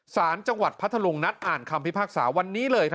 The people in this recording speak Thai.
สารจังหวัดพัทธลุงนัดอ่านคำพิพากษาวันนี้เลย